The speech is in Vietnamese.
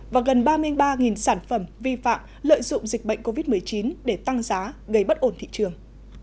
và gần ba mươi ba sản phẩm vi phạm lợi dụng dịch bệnh covid một mươi chín để tăng giá gây bất ổn thị trường